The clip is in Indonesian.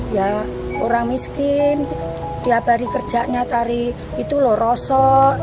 ya orang miskin tiap hari kerjanya cari itu loh rosok